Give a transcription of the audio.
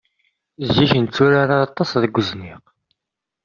Zik netturar aṭas deg uzniq.